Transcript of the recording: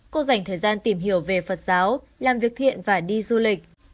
cô dành thời gian tìm hiểu về phật giáo làm việc thiện và đi du lịch